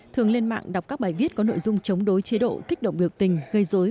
thường lên mạng đọc các bài viết có nội dung chống đối chế độ kích động biểu tình gây dối